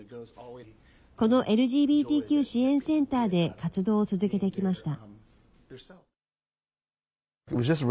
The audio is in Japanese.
このＬＧＢＴＱ支援センターで活動を続けてきました。